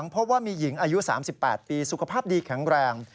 พบว่ามีหญิงอายุ๓๘ปีสุขภาพดีแข็งแรง